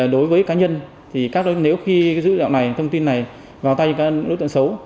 đối với cá nhân nếu giữ thông tin này vào tay các đối tượng xấu